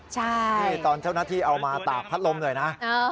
ใช่นี่ตอนเจ้าหน้าที่เอามาตากพัดลมหน่อยนะ